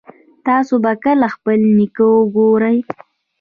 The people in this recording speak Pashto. تاسو به کله خپل نیکه وګورئ